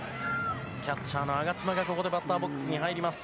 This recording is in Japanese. キャッチャーの我妻がここでバッターボックスに入ります。